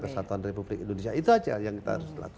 kesatuan republik indonesia itu aja yang kita harus lakukan